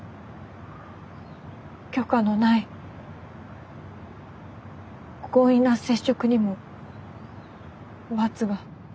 許可のない強引な接触にも罰が。